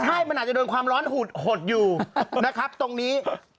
ใช่มันอาจจะโดนความร้อนหุดหดอยู่นะครับตรงนี้